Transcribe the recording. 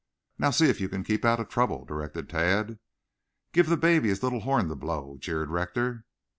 "Now see if you can keep out of trouble," directed Tad. "Give the baby his little horn to blow," jeered Rector.